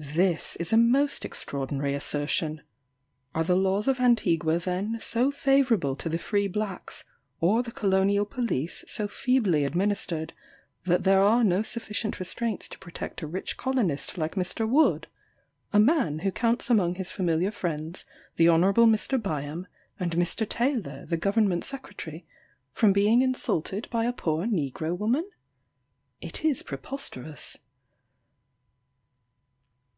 This is a most extraordinary assertion. Are the laws of Antigua then so favourable to the free blacks, or the colonial police so feebly administered, that there are no sufficient restraints to protect a rich colonist like Mr. Wood, a man who counts among his familiar friends the Honourable Mr. Byam, and Mr. Taylor the Government Secretary, from being insulted by a poor Negro woman? It is preposterous.